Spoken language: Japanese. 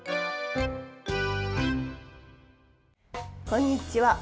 こんにちは。